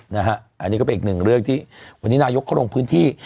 อันนี้ก็เป็นอีกหนึ่งเรื่องที่วันนี้นายกก็ลงพื้นที่